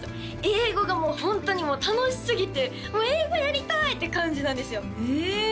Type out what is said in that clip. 英語がもうホントに楽しすぎて英語やりたいって感じなんですよええ！